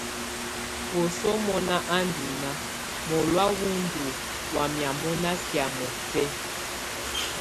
Wǝ́suǝ mɔ̀na á ndɔ̀ nàà, mɔlɔ̀á wù ndù wamɛ̀á mɔna kɛ̀́á mɔbɛ̀á.